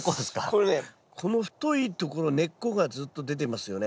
これねこの太いところ根っこがずっと出てますよね。